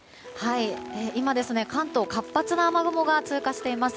今、関東は活発な雨雲が通過しています。